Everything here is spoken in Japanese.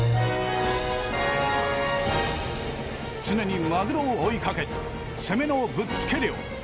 常にマグロを追いかける攻めのぶっつけ漁。